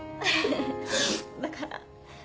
だから。